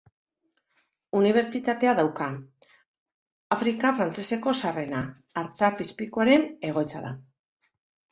Unibertsitatea dauka, Afrika frantseseko zaharrena; artzapezpikuaren egoitza da.